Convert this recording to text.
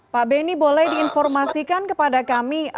pak beni boleh diinformasikan kepada kami